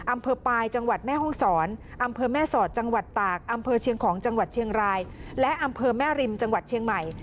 อำเภอปลายจังหวัดแม่ห้องศรอำเภอแม่สอดจังหวัดตากอำเภอเชียงของจังหวัดเชียงรายและอำเภอแม่ริมจังหวัดเชียงใหม่